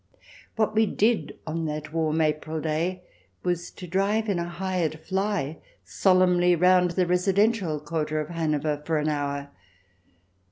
What we did on that warm April day was to drive in a hired fly solemnly round the residential quarter of Hanover for an hour.